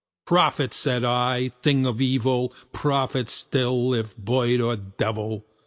"Prophet!" said I, "thing of evil! prophet still, if bird or devil!